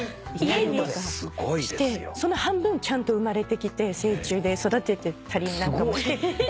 その半分ちゃんと生まれてきて成虫で育ててたりなんかもして。